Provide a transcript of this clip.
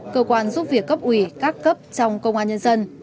cơ quan giúp việc cấp ủy các cấp trong công an nhân dân